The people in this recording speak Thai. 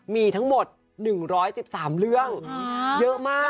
มีทั้งหมด๑๑๓เรื่องเยอะมาก